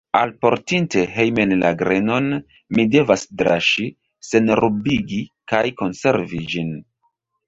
Alportinte hejmen la grenon, mi devas draŝi, senrubigi kaj konservi ĝin.